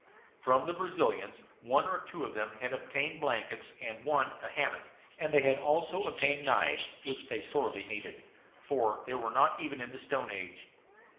From the Brazilians one or two of them had obtained blankets, and one a hammock; and they had also obtained knives, which they sorely needed, for they are not even in the stone age.